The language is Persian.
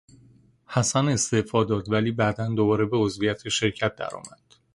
حسن استعفا داد ولی بعدا دوباره به عضویت شرکت درآمد.